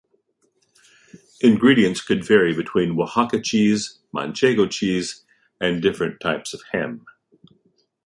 Ingredients could vary between Oaxaca cheese, Manchego cheese and different types of ham.